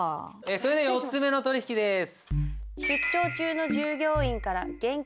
それでは４つ目の取引です。